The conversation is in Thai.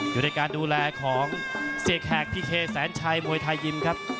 อยู่ในการดูแลของเสียแขกพีเคแสนชัยมวยไทยยิมครับ